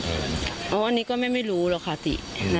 อันนี้ก็แม่ไม่รู้เลยค่ะติ